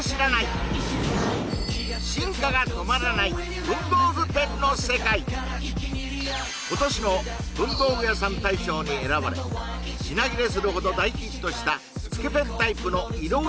進化が止まらない文房具ペンの世界今年の文房具屋さん大賞に選ばれ品切れするほど大ヒットしたつけペンタイプのｉｒｏ−